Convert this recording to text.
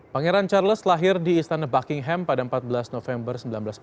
pangeran charles lahir di istana buckingham pada empat belas november seribu sembilan ratus empat puluh